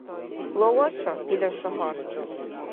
Лаваша — дила шагьар